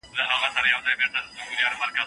مړې مُهرې دي چي د بل په لاس لوبېږي